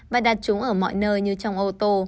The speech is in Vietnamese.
và đặt chúng ở mọi nơi như trong ô tô